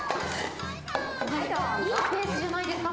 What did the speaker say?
いいペースじゃないですか？